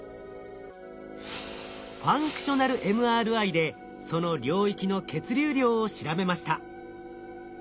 ファンクショナルＭＲＩでその領域の血流量を調べました。